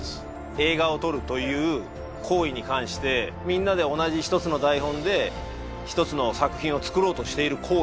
映画を撮るという行為に関してみんなで同じ一つの台本で一つの作品をつくろうとしている行為